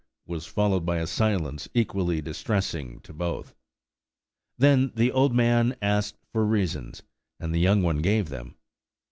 was followed by a silence equally distressing to both. Then the old man asked for reasons, and the young one gave them.